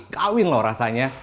kawin loh rasanya